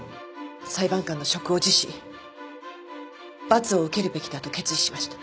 裁判官の職を辞し罰を受けるべきだと決意しました。